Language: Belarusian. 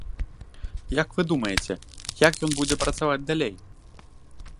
Як вы думаеце, як ён будзе працаваць далей?